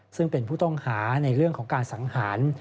ซึ่งเป็นผู้ต้องหาในเรื่องของการสังหาร